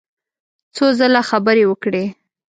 څو ځله خبرې وکړې.